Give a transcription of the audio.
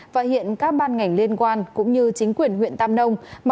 và hiện các ban ngành liên quan cũng như chính quyền huyện tam nông